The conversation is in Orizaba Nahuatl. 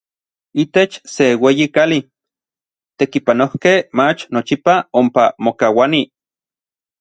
Itech se ueyi kali, n tekipanojkej mach nochipa ompa mokauanij.